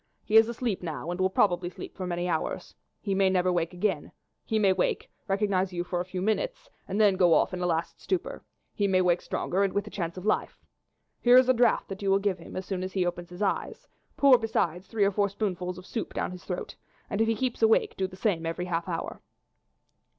He is asleep now and will probably sleep for many hours. He may never wake again; he may wake, recognize you for a few minutes, and then go off in a last stupor; he may wake stronger and with a chance of life. Here is a draught that you will give him as soon as he opens his eyes; pour besides three or four spoonfuls of soup down his throat, and if he keeps awake do the same every half hour."